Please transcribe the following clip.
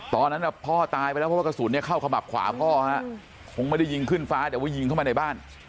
ตอนนั้นพ่อตายไปแล้วเพราะว่ากระสุนเนี่ยเข้าขมับขวางพ่อฮะคงไม่ได้ยิงขึ้นฟ้าแต่ว่ายิงเข้ามาในบ้าน